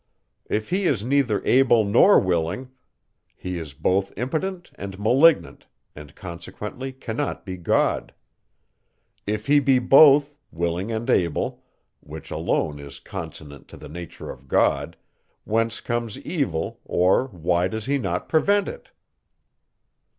If he is neither able nor willing, he is both impotent and malignant, and consequently cannot be God. If he be both willing and able (which alone is consonant to the nature of God) whence comes evil, or why does he not prevent it?"